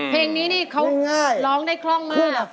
เพลงนี้นี่เขาร้องได้คล่องมาก